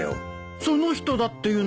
その人だっていうのかい？